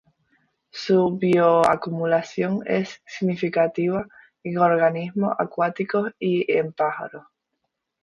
Su bioacumulación es significativa en organismos acuáticos y en pájaros.